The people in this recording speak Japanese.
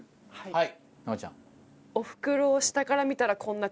はい。